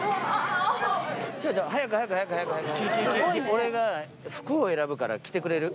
俺が服を選ぶから着てくれる？